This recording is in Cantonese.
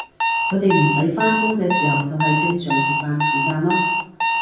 佢哋唔使返工嘅时候就係正常食飯時間囉